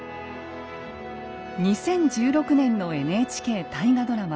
２０１６年のＮＨＫ大河ドラマ